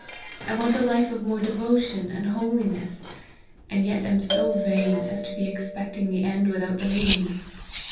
I want a life of more devo tion and holiness ; and yet am so vain, as to be ex pecting the end without the means.